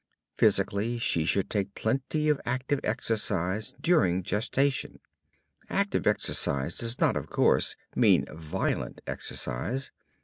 Physically, she should take plenty of active exercise during gestation. Active exercise does not, of course, mean violent exercise.